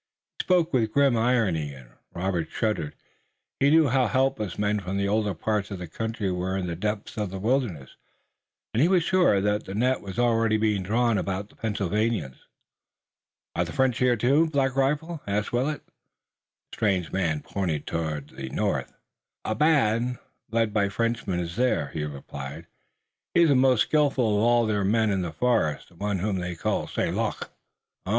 He spoke with grim irony and Robert shuddered. He knew how helpless men from the older parts of the country were in the depths of the wilderness, and he was sure that the net was already being drawn about the Pennsylvanians. "Are the French here too, Black Rifle?" asked Willet. The strange man pointed toward the north. "A band led by a Frenchman is there," he replied. "He is the most skillful of all their men in the forest, the one whom they call St. Luc."